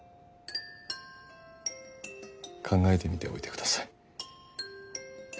考えてみておいてください。